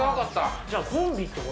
じゃあコンビってこと？